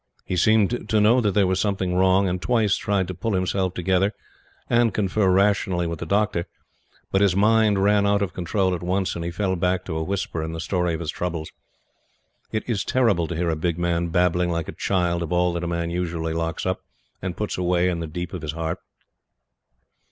He seemed to know that there was something wrong, and twice tried to pull himself together and confer rationally with the Doctor; but his mind ran out of control at once, and he fell back to a whisper and the story of his troubles. It is terrible to hear a big man babbling like a child of all that a man usually locks up, and puts away in the deep of his heart.